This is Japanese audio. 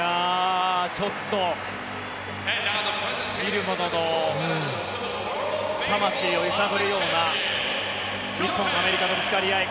ちょっと見る者の魂を揺さぶるような日本とアメリカのぶつかり合い。